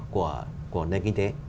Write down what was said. của nền kinh tế